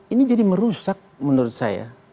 ini jadi merusak menurut saya